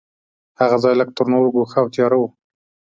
هغه ځای لږ تر نورو ګوښه او تیاره و.